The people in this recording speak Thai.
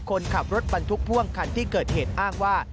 คนขับรถบรรทุกพ่วงคันที่เกิดเหตุอ้างว่า